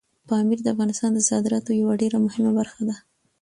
پامیر د افغانستان د صادراتو یوه ډېره مهمه برخه ده.